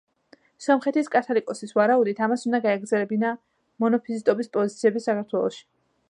სომხეთის კათალიკოსის ვარაუდით, ამას უნდა გაეძლიერებინა მონოფიზიტობის პოზიციები საქართველოში.